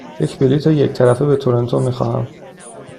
یک بلیط یک طرفه به تورنتو می خواهم.